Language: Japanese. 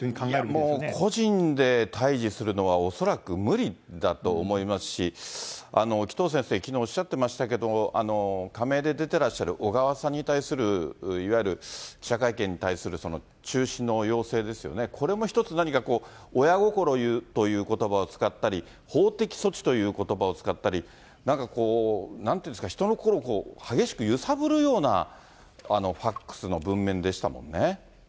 もう、個人で対じするのは、恐らく無理だと思いますし、紀藤先生、きのうおっしゃってましたけども、仮名で出てらっしゃる小川さんに対するいわゆる記者会見に対する中止の要請ですよね、これも一つ何か親心ということばを使ったり、法的措置ということばを使ったり、なんかこう、なんていうんですか、人の心を激しく揺さぶるようなファックスの文面でしたもんね。